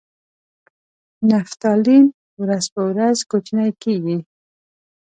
نفتالین ورځ په ورځ کوچنۍ کیږي.